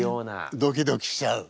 ドキドキしちゃう。